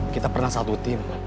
kita pernah satu tim